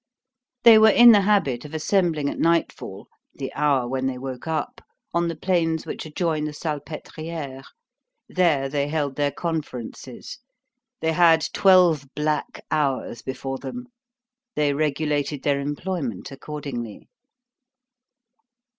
They were in the habit of assembling at nightfall, the hour when they woke up, on the plains which adjoin the Salpêtrière. There they held their conferences. They had twelve black hours before them; they regulated their employment accordingly.